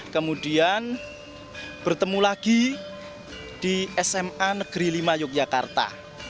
kemudian bertemu lagi di sma negeri lima yogyakarta